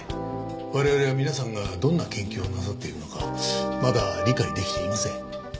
我々は皆さんがどんな研究をなさっているのかまだ理解できていません。